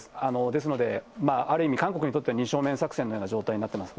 ですので、ある意味、韓国にとっては２正面作戦のような状態になっています。